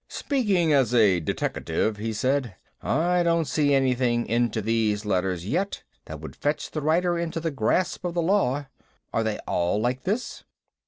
"Speaking as a deteckative," he said, "I don't see anything into these letters yet that would fetch the writer into the grasp of the law. Are they all like this?"